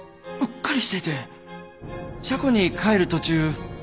車庫に帰る途中。